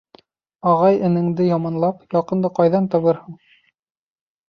Ағай-энеңде яманлап, яҡынды ҡайҙан табырһың?